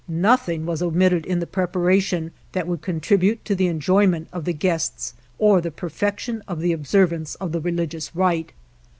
Nothing was omitted in the preparation that would contribute to the enjoyment of the guests or the perfec tion of the observance of the religious rite.